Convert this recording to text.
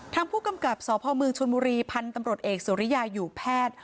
ทางผู้กำกับสพเมืองชนบุรีพันธุ์ตำรวจเอกสุริยาอยู่แพทย์